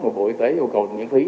một bộ y tế yêu cầu miễn phí